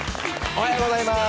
おはようございます。